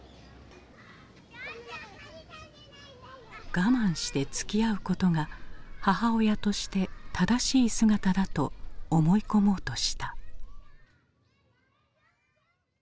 我慢してつきあうことが母親として正しい姿だと思い込もうとした。